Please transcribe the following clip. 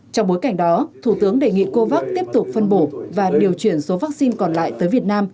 trong bối cảnh đó thủ tướng đề nghị covax tiếp tục phân bổ và điều chuyển số vaccine còn lại tới việt nam